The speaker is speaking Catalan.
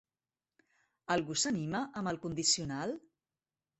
Algú s'anima amb el condicional?